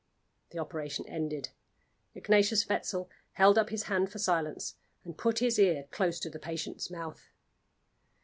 The operation ended. Ignatius Wetzel held up his hand for silence and put his ear close to the patient's mouth.